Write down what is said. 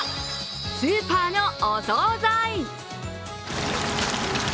スーパーのお総菜！